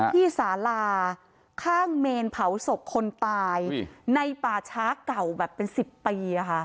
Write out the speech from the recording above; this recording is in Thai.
ที่สาลาข้างเมนเผาศพคนตายในป่าช้าเก่าแบบเป็น๑๐ปี